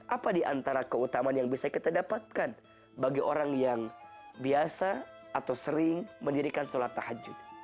apa diantara keutamaan yang bisa kita dapatkan bagi orang yang biasa atau sering mendirikan sholat tahajud